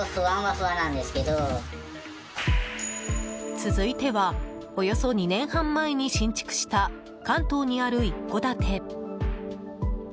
続いてはおよそ２年半前に新築した関東にある一戸建て。